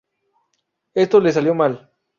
Esto les salió mal.